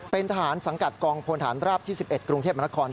เป็นทหารสังกัดกองพลฐานราบที่๑๑กรุงเทพมนคร